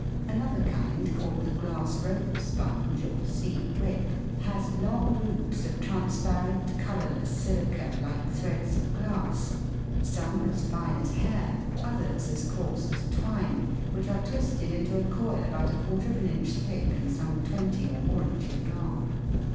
Another kind, called the glass rope sponge, or sea whip (Fig. 31, B), has long roots of transparent, colourless silica, like threads of glass, some as fine as hair, others as coarse as twine, which are twisted into a coil about a quarter of an inch thick, and some twenty or more inches long.